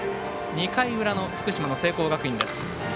２回裏の福島の聖光学院です。